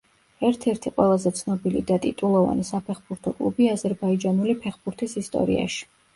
ერთ-ერთი ყველაზე ცნობილი და ტიტულოვანი საფეხბურთო კლუბი აზერბაიჯანული ფეხბურთის ისტორიაში.